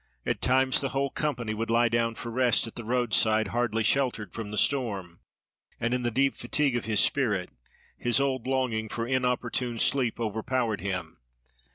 At times, the whole company would lie down for rest at the roadside, hardly sheltered from the storm; and in the deep fatigue of his spirit, his old longing for inopportune sleep overpowered him.